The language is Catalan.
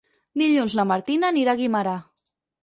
Dilluns na Martina anirà a Guimerà.